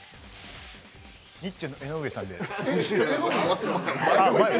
ニッチェの江上さんです。